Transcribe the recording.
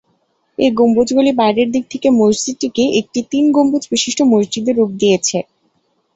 এ গম্বুজগুলি বাইরের দিক থেকে মসজিদটিকে একটি ‘তিন গম্বুজ’ বিশিষ্ট মসজিদের রূপ দিয়েছে।